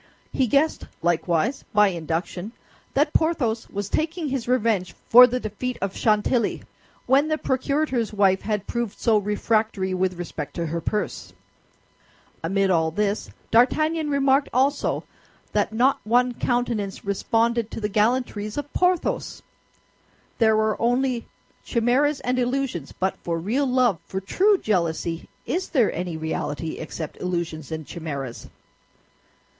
He guessed, likewise, by induction, that Porthos was taking his revenge for the defeat of Chantilly, when the procurator's wife had proved so refractory with respect to her purse. Amid all this, D'Artagnan remarked also that not one countenance responded to the gallantries of Porthos. There were only chimeras and illusions; but for real love, for true jealousy, is there any reality except illusions and chimeras?